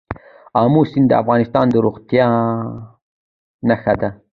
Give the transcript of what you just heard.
آمو سیند د افغانستان د زرغونتیا نښه ده.